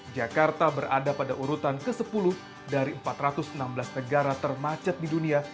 jakarta berada pada urutan ke sepuluh dari empat ratus enam belas negara termacet di dunia